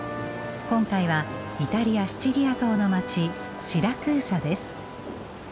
今回はイタリアシチリア島の街シラクーサです。